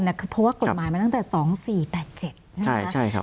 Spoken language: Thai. เพราะว่ากฎหมายมันตั้งแต่๒๔๘๗ใช่ไหมคะ